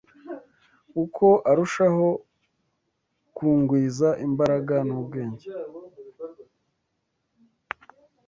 Uko arushaho kungwiza imbaraga n’ubwenge